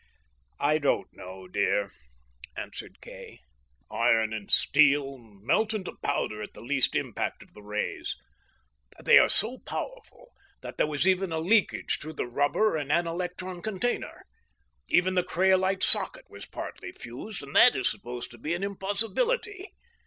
"I don't know, dear," answered Kay. "Iron and steel melt into powder at the least impact of the rays. They are so powerful that there was even a leakage through the rubber and anelektron container. Even the craolite socket was partly fused, and that is supposed to be an impossibility.